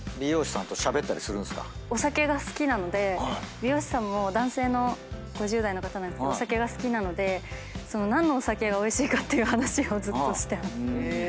お酒が好きなので美容師さんも男性の５０代の方なんですけどお酒が好きなので何のお酒がおいしいかっていう話をずっとしてます。